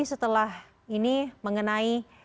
setelah ini mengenai